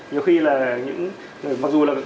nhiều khi là những người mặc dù là